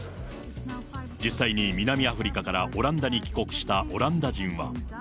実際に南アフリカからオランダに帰国したオランダ人は。